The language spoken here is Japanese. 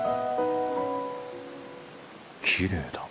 きれいだ。